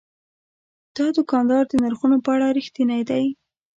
دا دوکاندار د نرخونو په اړه رښتینی دی.